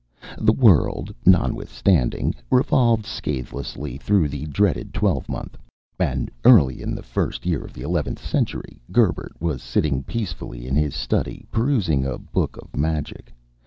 The world, notwithstanding, revolved scatheless through the dreaded twelvemonth, and early in the first year of the eleventh century Gerbert was sitting peacefully in his study, perusing a book of magic.